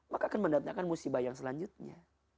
maka akan mendatangkan musibah yang selanjutnya